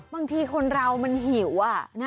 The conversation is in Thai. บางทีคนเรามันหิว